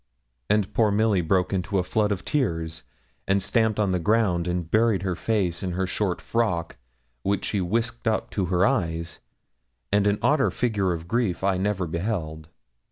And poor Milly broke into a flood of tears, and stamped on the ground, and buried her face in her short frock, which she whisked up to her eyes; and an odder figure of grief I never beheld.